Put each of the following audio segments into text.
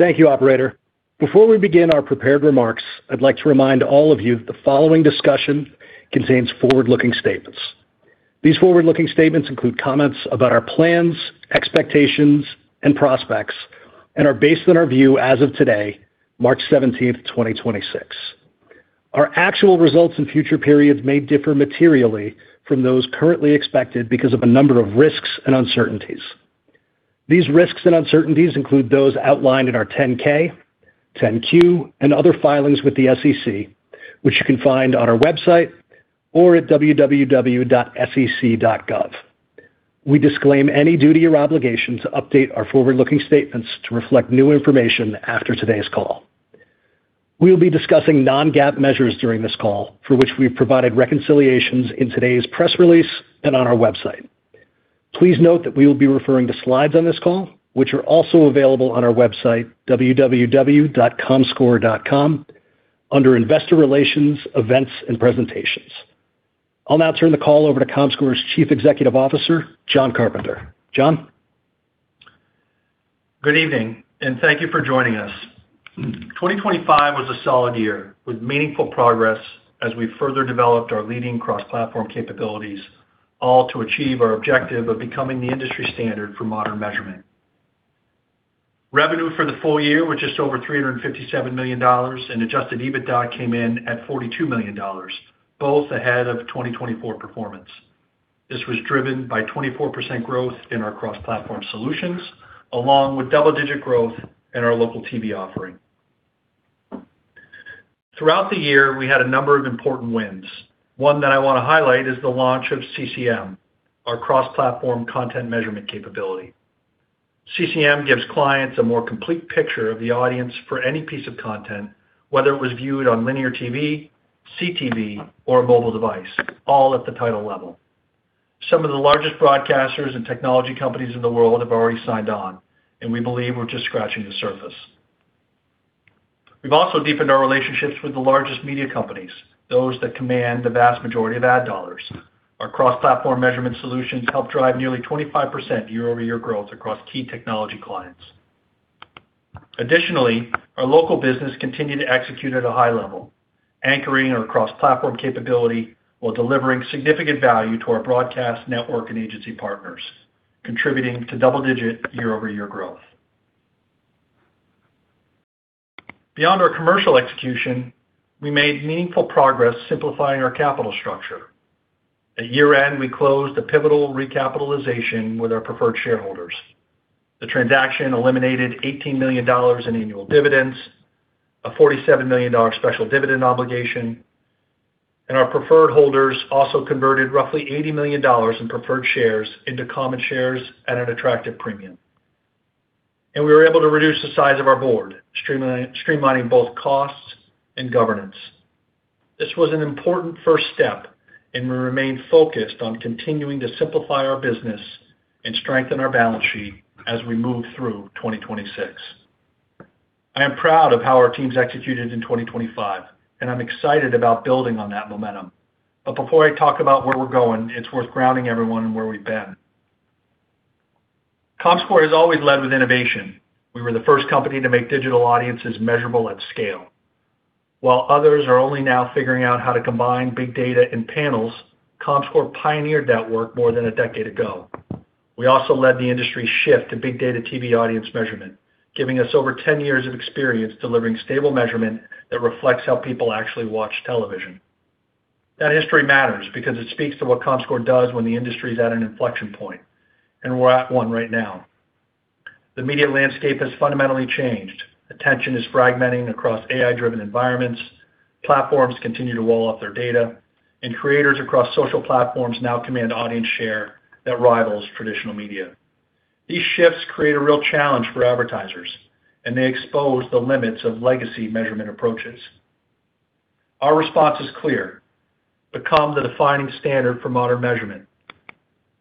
Thank you, operator. Before we begin our prepared remarks, I'd like to remind all of you the following discussion contains forward-looking statements. These forward-looking statements include comments about our plans, expectations, and prospects and are based on our view as of today, March 17th, 2026. Our actual results in future periods may differ materially from those currently expected because of a number of risks and uncertainties. These risks and uncertainties include those outlined in our 10-K, 10-Q and other filings with the SEC, which you can find on our website or at www.sec.gov. We disclaim any duty or obligation to update our forward-looking statements to reflect new information after today's call. We'll be discussing non-GAAP measures during this call, for which we've provided reconciliations in today's press release and on our website. Please note that we will be referring to slides on this call, which are also available on our website, www.comscore.com, under Investor Relations, Events and Presentations. I'll now turn the call over to Comscore's Chief Executive Officer, Jon Carpenter. Jon? Good evening, and thank you for joining us. 2025 was a solid year with meaningful progress as we further developed our leading cross-platform capabilities, all to achieve our objective of becoming the industry standard for modern measurement. Revenue for the full year was just over $357 million, and adjusted EBITDA came in at $42 million, both ahead of 2024 performance. This was driven by 24% growth in our cross-platform solutions, along with double-digit growth in our local TV offering. Throughout the year, we had a number of important wins. One that I want to highlight is the launch of CCM, our cross-platform content measurement capability. CCM gives clients a more complete picture of the audience for any piece of content, whether it was viewed on linear TV, CTV, or a mobile device, all at the title level. Some of the largest broadcasters and technology companies in the world have already signed on, and we believe we're just scratching the surface. We've also deepened our relationships with the largest media companies, those that command the vast majority of ad dollars. Our cross-platform measurement solutions help drive nearly 25% year-over-year growth across key technology clients. Additionally, our local business continued to execute at a high level, anchoring our cross-platform capability while delivering significant value to our broadcast network and agency partners, contributing to double-digit year-over-year growth. Beyond our commercial execution, we made meaningful progress simplifying our capital structure. At year-end, we closed a pivotal recapitalization with our preferred shareholders. The transaction eliminated $18 million in annual dividends, a $47 million special dividend obligation, and our preferred holders also converted roughly $80 million in preferred shares into common shares at an attractive premium. We were able to reduce the size of our board, streamlining both costs and governance. This was an important first step, and we remain focused on continuing to simplify our business and strengthen our balance sheet as we move through 2026. I am proud of how our teams executed in 2025, and I'm excited about building on that momentum. Before I talk about where we're going, it's worth grounding everyone in where we've been. Comscore has always led with innovation. We were the first company to make digital audiences measurable at scale. While others are only now figuring out how to combine big data and panels, Comscore pioneered that work more than a decade ago. We also led the industry's shift to big data TV audience measurement, giving us over 10 years of experience delivering stable measurement that reflects how people actually watch television. That history matters because it speaks to what Comscore does when the industry is at an inflection point, and we're at one right now. The media landscape has fundamentally changed. Attention is fragmenting across AI-driven environments. Platforms continue to wall off their data, and creators across social platforms now command audience share that rivals traditional media. These shifts create a real challenge for advertisers, and they expose the limits of legacy measurement approaches. Our response is clear: become the defining standard for modern measurement.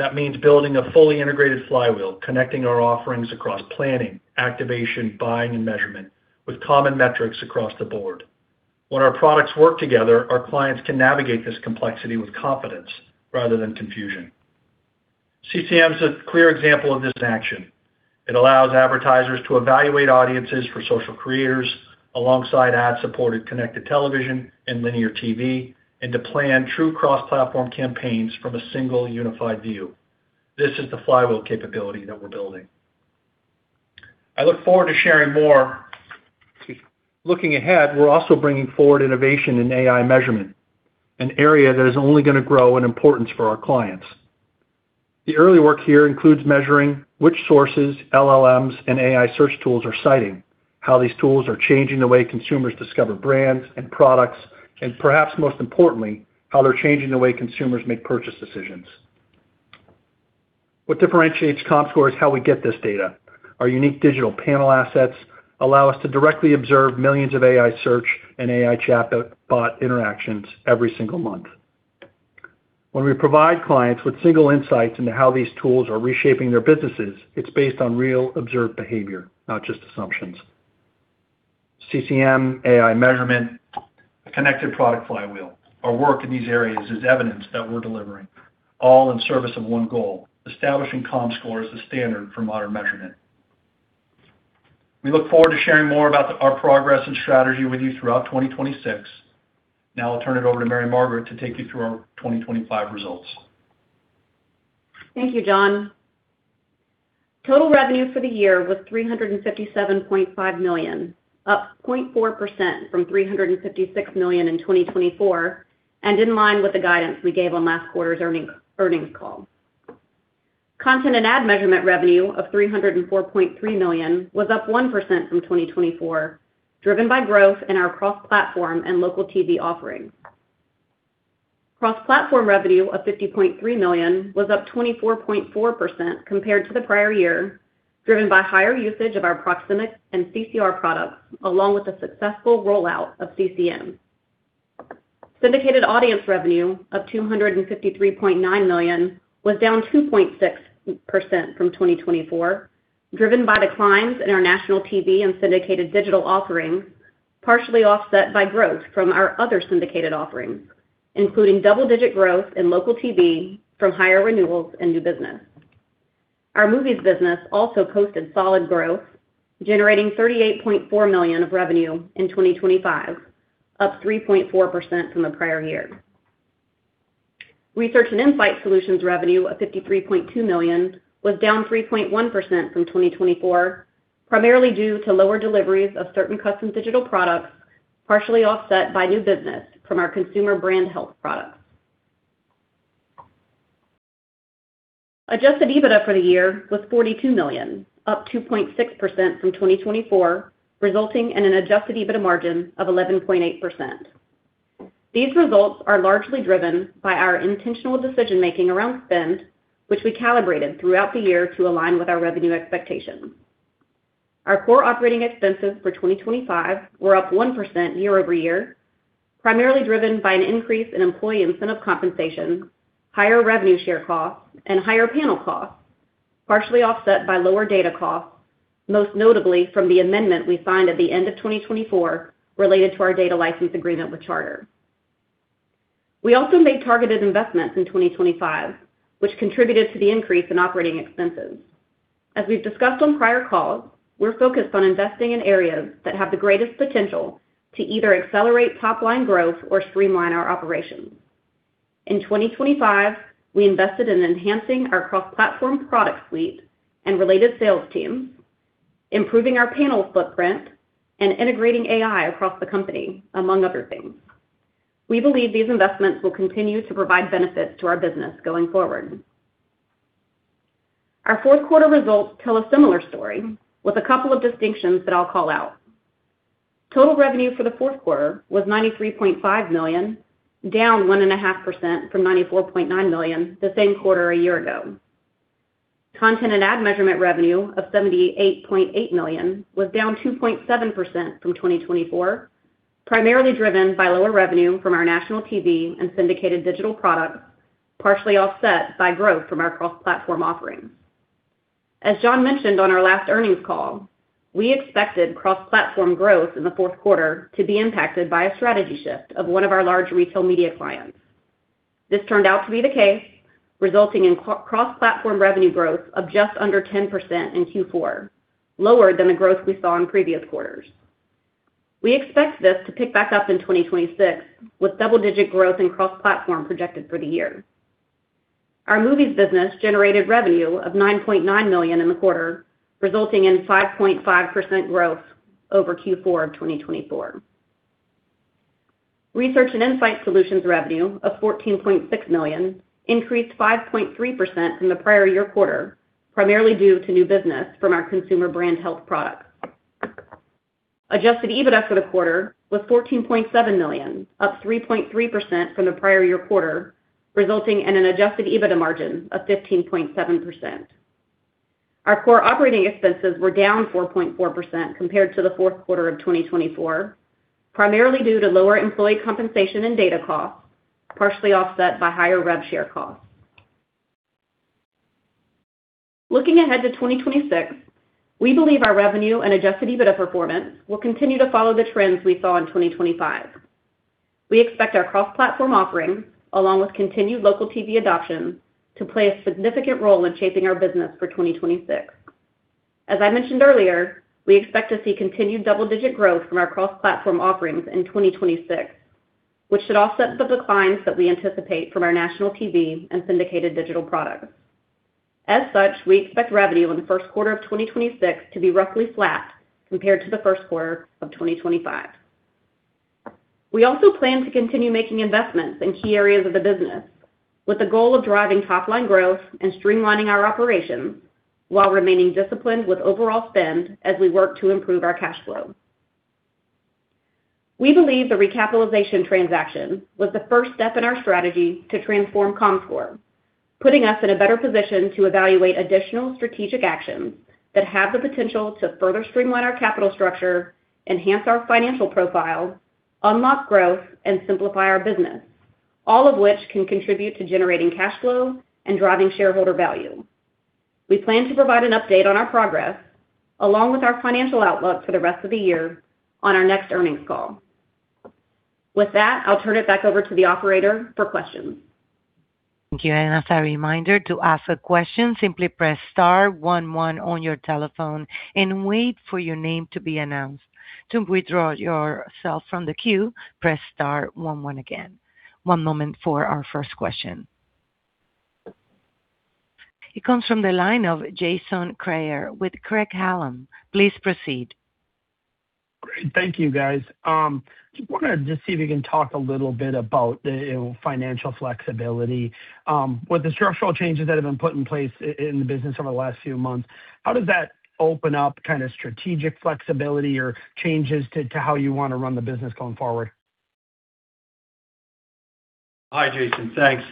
That means building a fully integrated flywheel, connecting our offerings across planning, activation, buying, and measurement with common metrics across the board. When our products work together, our clients can navigate this complexity with confidence rather than confusion. CCM is a clear example of this in action. It allows advertisers to evaluate audiences for social creators alongside ad-supported connected television and linear TV, and to plan true cross-platform campaigns from a single unified view. This is the flywheel capability that we're building. I look forward to sharing more. Looking ahead, we're also bringing forward innovation in AI measurement, an area that is only going to grow in importance for our clients. The early work here includes measuring which sources LLMs and AI search tools are citing, how these tools are changing the way consumers discover brands and products, and perhaps most importantly, how they're changing the way consumers make purchase decisions. What differentiates Comscore is how we get this data. Our unique digital panel assets allow us to directly observe millions of AI search and AI chatbot interactions every single month. When we provide clients with single insights into how these tools are reshaping their businesses, it's based on real observed behavior, not just assumptions. CCM, AI measurement, connected product flywheel. Our work in these areas is evidence that we're delivering all in service of one goal, establishing Comscore as the standard for modern measurement. We look forward to sharing more about our progress and strategy with you throughout 2026. Now I'll turn it over to Mary Margaret to take you through our 2025 results. Thank you, Jon. Total revenue for the year was $357.5 million, up 0.4% from $356 million in 2024, and in line with the guidance we gave on last quarter's earnings call. Content & Ad Measurement revenue of $304.3 million was up 1% from 2024, driven by growth in our cross-platform and local TV offerings. Cross-platform revenue of $50.3 million was up 24.4% compared to the prior year, driven by higher usage of our Proximic and CCR products, along with the successful rollout of CCM. Syndicated Audience revenue of $253.9 million was down 2.6% from 2024, driven by declines in our national TV and syndicated digital offerings, partially offset by growth from our other syndicated offerings, including double-digit growth in local TV from higher renewals and new business. Our movies business also posted solid growth, generating $38.4 million of revenue in 2025, up 3.4% from the prior year. Research and Insight Solutions revenue of $53.2 million was down 3.1% from 2024, primarily due to lower deliveries of certain custom digital products, partially offset by new business from our Consumer Brand Health products. Adjusted EBITDA for the year was $42 million, up 2.6% from 2024, resulting in an adjusted EBITDA margin of 11.8%. These results are largely driven by our intentional decision-making around spend, which we calibrated throughout the year to align with our revenue expectations. Our core operating expenses for 2025 were up 1% year-over-year, primarily driven by an increase in employee incentive compensation, higher revenue share costs, and higher panel costs, partially offset by lower data costs, most notably from the amendment we signed at the end of 2024 related to our data license agreement with Charter. We also made targeted investments in 2025, which contributed to the increase in operating expenses. As we've discussed on prior calls, we're focused on investing in areas that have the greatest potential to either accelerate top-line growth or streamline our operations. In 2025, we invested in enhancing our cross-platform product suite and related sales teams, improving our panel footprint and integrating AI across the company, among other things. We believe these investments will continue to provide benefits to our business going forward. Our fourth quarter results tell a similar story with a couple of distinctions that I'll call out. Total revenue for the fourth quarter was $93.5 million, down 1.5% from $94.9 million the same quarter a year ago. Content and ad measurement revenue of $78.8 million was down 2.7% from 2024, primarily driven by lower revenue from our national TV and syndicated digital products, partially offset by growth from our cross-platform offerings. As Jon mentioned on our last earnings call, we expected cross-platform growth in the fourth quarter to be impacted by a strategy shift of one of our large retail media clients. This turned out to be the case, resulting in cross-platform revenue growth of just under 10% in Q4, lower than the growth we saw in previous quarters. We expect this to pick back up in 2026 with double-digit growth in cross-platform projected for the year. Our movies business generated revenue of $9.9 million in the quarter, resulting in 5.5% growth over Q4 of 2024. Research and Insight Solutions revenue of $14.6 million increased 5.3% from the prior year quarter, primarily due to new business from our Consumer Brand Health products. Adjusted EBITDA for the quarter was $14.7 million, up 3.3% from the prior year quarter, resulting in an adjusted EBITDA margin of 15.7%. Our core operating expenses were down 4.4% compared to the fourth quarter of 2024, primarily due to lower employee compensation and data costs, partially offset by higher rev share costs. Looking ahead to 2026, we believe our revenue and adjusted EBITDA performance will continue to follow the trends we saw in 2025. We expect our cross-platform offerings, along with continued local TV adoption, to play a significant role in shaping our business for 2026. As I mentioned earlier, we expect to see continued double-digit growth from our cross-platform offerings in 2026, which should offset the declines that we anticipate from our national TV and syndicated digital products. As such, we expect revenue in the first quarter of 2026 to be roughly flat compared to the first quarter of 2025. We also plan to continue making investments in key areas of the business with the goal of driving top-line growth and streamlining our operations while remaining disciplined with overall spend as we work to improve our cash flow. We believe the recapitalization transaction was the first step in our strategy to transform Comscore, putting us in a better position to evaluate additional strategic actions that have the potential to further streamline our capital structure, enhance our financial profile, unlock growth, and simplify our business, all of which can contribute to generating cash flow and driving shareholder value. We plan to provide an update on our progress, along with our financial outlook for the rest of the year on our next earnings call. With that, I'll turn it back over to the operator for questions. Thank you. As a reminder to ask a question, simply press star one one on your telephone and wait for your name to be announced. To withdraw yourself from the queue, press star one one again. One moment for our first question. It comes from the line of Jason Kreyer with Craig-Hallum. Please proceed. Great. Thank you, guys. Just wanted to just see if you can talk a little bit about the financial flexibility. With the structural changes that have been put in place in the business over the last few months, how does that open up kind of strategic flexibility or changes to how you want to run the business going forward? Hi, Jason. Thanks.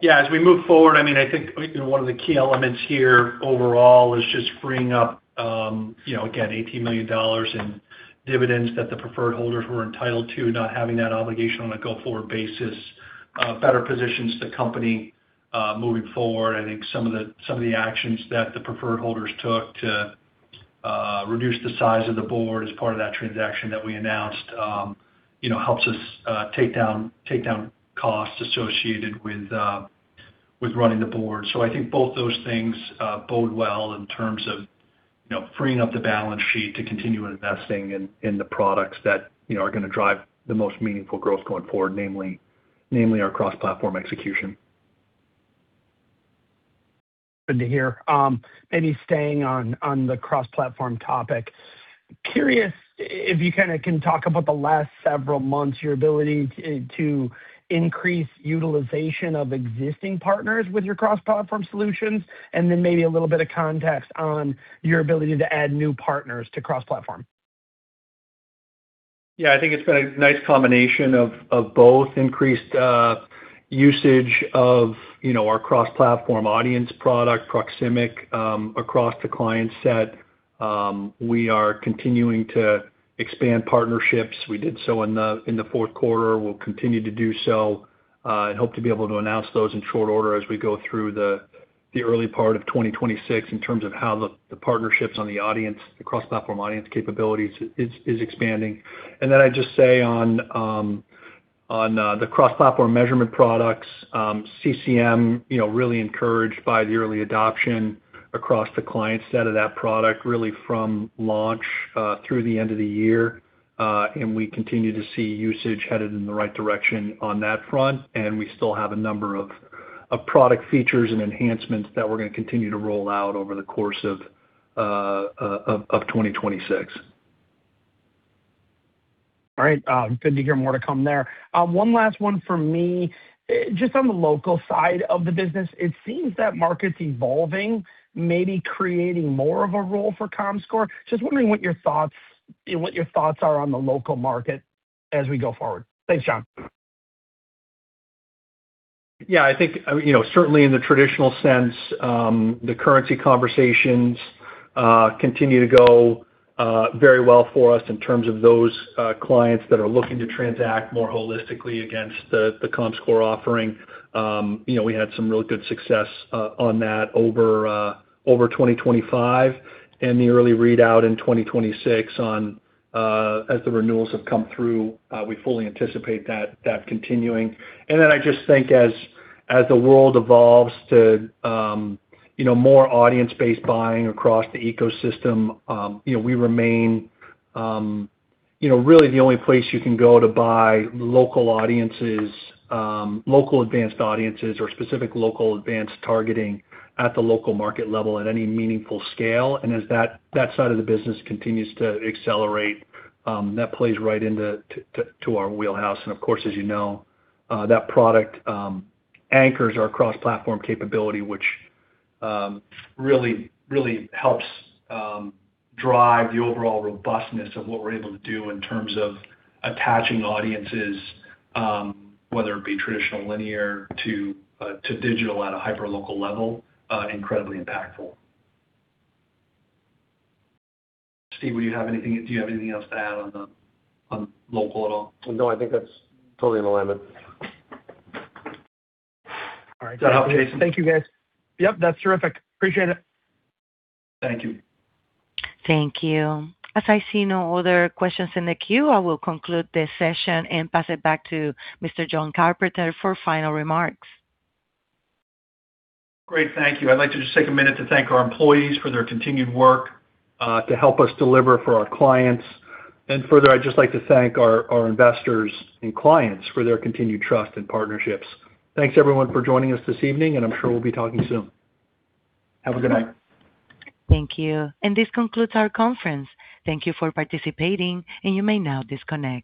Yeah. As we move forward, I mean, I think one of the key elements here overall is just freeing up, you know, again, $18 million in dividends that the preferred holders were entitled to, not having that obligation on a go-forward basis, better positions the company, moving forward. I think some of the actions that the preferred holders took to reduce the size of the board as part of that transaction that we announced, you know, helps us take down costs associated with running the board. I think both those things bode well in terms of, you know, freeing up the balance sheet to continue investing in the products that, you know, are gonna drive the most meaningful growth going forward, namely our cross-platform execution. Good to hear. Maybe staying on the cross-platform topic. Curious if you kind of can talk about the last several months, your ability to increase utilization of existing partners with your cross-platform solutions, and then maybe a little bit of context on your ability to add new partners to cross-platform? Yeah, I think it's been a nice combination of both increased usage of, you know, our cross-platform audience product, Proximic, across the client set. We are continuing to expand partnerships. We did so in the fourth quarter. We'll continue to do so and hope to be able to announce those in short order as we go through the early part of 2026 in terms of how the partnerships on the audience, the cross-platform audience capabilities is expanding. I'd just say on the cross-platform measurement products, CCM, you know, really encouraged by the early adoption across the client set of that product, really from launch through the end of the year. We continue to see usage headed in the right direction on that front, and we still have a number of product features and enhancements that we're gonna continue to roll out over the course of 2026. All right. Good to hear more to come there. One last one for me. Just on the local side of the business, it seems that market's evolving, maybe creating more of a role for Comscore. Just wondering what your thoughts are on the local market as we go forward. Thanks, Jon. Yeah, I think, you know, certainly in the traditional sense, the currency conversations continue to go very well for us in terms of those clients that are looking to transact more holistically against the Comscore offering. You know, we had some really good success on that over 2025 and the early readout in 2026 as the renewals have come through. We fully anticipate that continuing. I just think as the world evolves to, you know, more audience-based buying across the ecosystem, you know, we remain really the only place you can go to buy local audiences, local advanced audiences or specific local advanced targeting at the local market level at any meaningful scale. As that side of the business continues to accelerate, that plays right into our wheelhouse. Of course, as you know, that product anchors our cross-platform capability, which really helps drive the overall robustness of what we're able to do in terms of attaching audiences, whether it be traditional linear to digital at a hyperlocal level, incredibly impactful. Steve, do you have anything else to add on local at all? No, I think that's totally in alignment. All right. Does that help, Jason? Thank you, guys. Yep, that's terrific. Appreciate it. Thank you. Thank you. As I see no other questions in the queue, I will conclude this session and pass it back to Mr. Jon Carpenter for final remarks. Great. Thank you. I'd like to just take a minute to thank our employees for their continued work to help us deliver for our clients. Further, I'd just like to thank our investors and clients for their continued trust and partnerships. Thanks, everyone, for joining us this evening, and I'm sure we'll be talking soon. Have a good night. Thank you. This concludes our conference. Thank you for participating, and you may now disconnect.